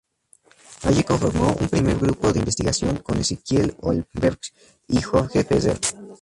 Allí conformó un primer grupo de investigación con Ezequiel Holmberg y Jorge Ferrer.